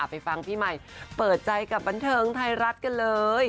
ไปฟังพี่ใหม่เปิดใจกับบันเทิงไทยรัฐกันเลย